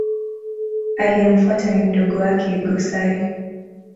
Aliyemfuata ni mdogo wake Go-Sai.